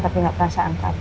tapi tidak pernah saya angkat